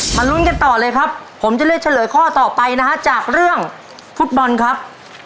ลุ้นกันต่อเลยครับผมจะเลือกเฉลยข้อต่อไปนะฮะจากเรื่องฟุตบอลครับ